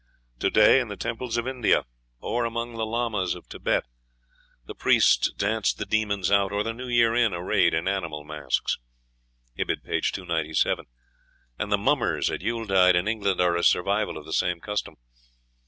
To day in the temples of India, or among the lamas of Thibet, the priests dance the demons out, or the new year in, arrayed in animal masks (Ibid., p. 297 ); and the "mummers" at Yule tide, in England, are a survival of the same custom.